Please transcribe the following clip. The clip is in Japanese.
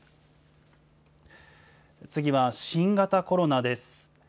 次は新型コロナです。